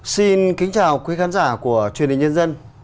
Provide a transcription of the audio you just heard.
xin kính chào quý khán giả của truyền hình nhân dân